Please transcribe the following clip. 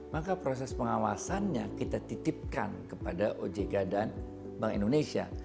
maka proses pengawasannya kita titipkan kepada ojk dan bank indonesia